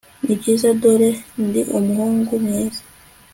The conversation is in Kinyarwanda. Nibyiza dore ndi umuhungu mwiza